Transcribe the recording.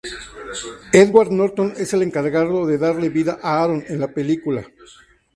Edward Norton es el encargado de darle vida a Aaron en la película.